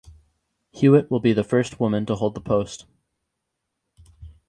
Hewitt will be the first woman to hold the post.